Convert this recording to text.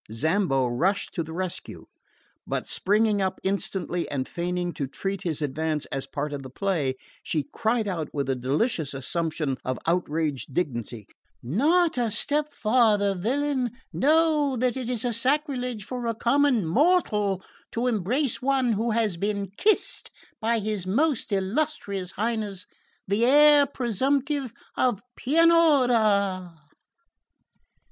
Zambo rushed to the rescue; but springing up instantly, and feigning to treat his advance as a part of the play, she cried out with a delicious assumption of outraged dignity: "Not a step farther, villain! Know that it is sacrilege for a common mortal to embrace one who has been kissed by his most illustrious Highness the Heir presumptive of Pianura!"